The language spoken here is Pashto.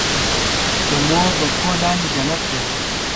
د مور د پښو لاندې جنت دی.